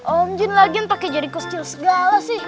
om jin lagi entah kejariku skill segala sih